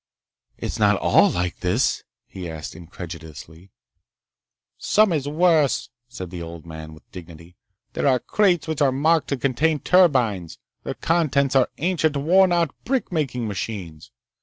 "It's not all like this!" he said incredulously. "Some is worse," said the old man, with dignity. "There are crates which are marked to contain turbines. Their contents are ancient, worn out brick making machines.